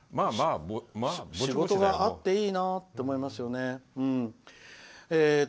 仕事があっていいなーって思いますよね。